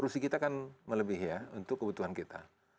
kursi kita kan melebih ya untuk kebutuhan kita